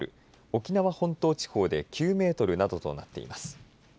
沖縄本島地方で９メートルなどとなっています。